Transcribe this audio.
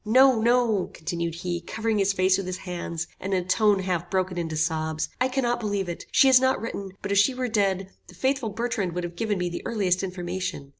No, no," continued he, covering his face with his hands, and in a tone half broken into sobs, "I cannot believe it. She has not written, but if she were dead, the faithful Bertrand would have given me the earliest information.